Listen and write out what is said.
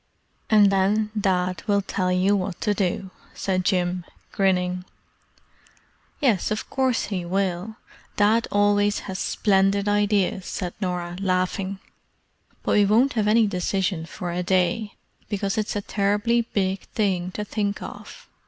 "And then Dad will tell you what to do," said Jim, grinning. "Yes of course he will. Dad always has splendid ideas," said Norah, laughing. "But we won't have any decision for a day, because it's a terribly big thing to think of.